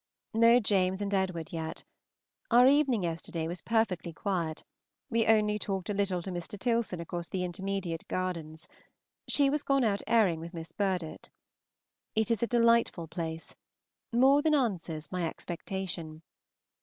No James and Edward yet. Our evening yesterday was perfectly quiet; we only talked a little to Mr. Tilson across the intermediate gardens; she was gone out airing with Miss Burdett. It is a delightful place, more than answers my expectation.